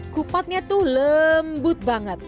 kupatnya tuh lembut banget